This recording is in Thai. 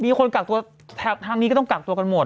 มีคนกักตัวทางนี้ก็ต้องกักตัวกันหมด